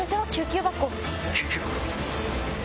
救急箱！